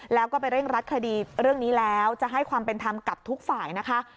แล้วก็ไปเร่งรัดคดีเรื่องนี้แล้วจะให้ความเป็นธรรมกับทุกฝ่ายนะคะ